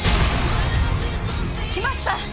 きました！